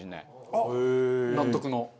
あっ！納得の。